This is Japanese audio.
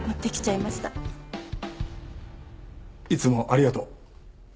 いつもありがとう。